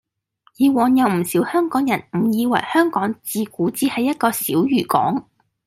以往有唔少香港人誤以為香港自古只係一個小漁港